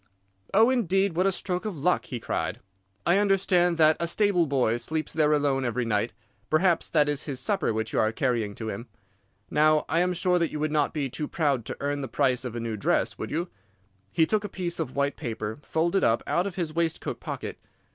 "'Oh, indeed! What a stroke of luck!' he cried. 'I understand that a stable boy sleeps there alone every night. Perhaps that is his supper which you are carrying to him. Now I am sure that you would not be too proud to earn the price of a new dress, would you?' He took a piece of white paper folded up out of his waistcoat pocket.